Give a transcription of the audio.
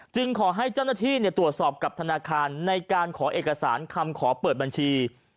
ขอให้เจ้าหน้าที่ตรวจสอบกับธนาคารในการขอเอกสารคำขอเปิดบัญชี